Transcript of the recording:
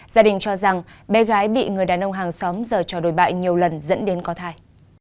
gia đình cho rằng bé gái bị người đàn ông hàng xóm giờ trò đồi bại nhiều lần dẫn đến có thai